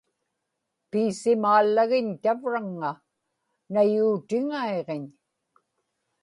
piisimaallagiñ tavraŋŋa; nayuutiŋaiġiñ